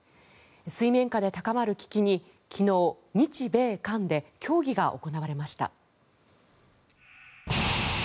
水面下で高まる危機に昨日、日米韓で協議が行われました。